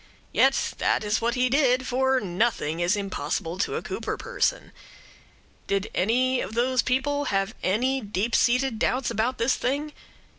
Yet that is what he did; for nothing is impossible to a Cooper person. Did any of those people have any deep seated doubts about this thing?